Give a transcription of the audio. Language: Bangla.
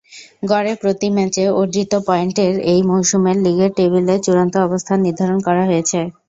গড়ে প্রতি ম্যাচে অর্জিত পয়েন্টের এই মৌসুমের লীগের টেবিলের চূড়ান্ত অবস্থান নির্ধারণ করা হয়েছে।